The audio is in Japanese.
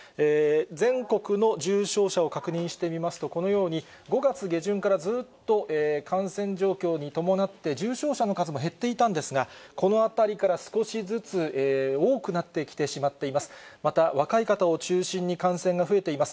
全国の重症者を確認してみますと、このように５月下旬からずっと感染状況に伴って重症者の数も減っていたんですが、このあたりから少しずつ多くなってきてしまっています。